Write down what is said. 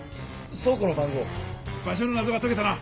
場所の謎がとけたな！